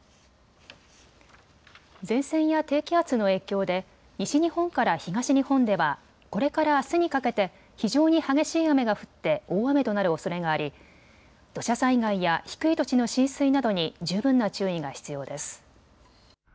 前線や低気圧の影響で西日本から東日本ではこれからあすにかけて非常に激しい雨が降って大雨となるおそれがあり土砂災害や低い土地の浸水などに十分な注意が必要です。